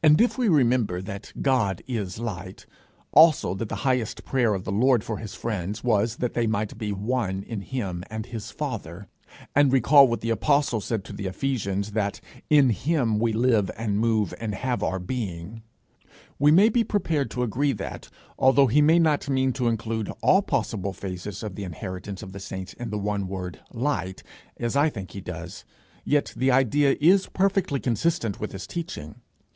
And if we remember that God is light; also that the highest prayer of the Lord for his friends was that they might be one in him and his father; and recall what the apostle said to the Ephesians, that 'in him we live and move and have our being,' we may be prepared to agree that, although he may not mean to include all possible phases of the inheritance of the saints in the one word light, as I think he does, yet the idea is perfectly consistent with his teaching.